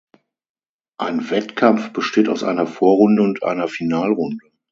Ein Wettkampf besteht aus einer Vorrunde und einer Finalrunde.